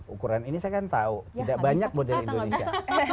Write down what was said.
ukuran ini saya kan tahu tidak banyak model indonesia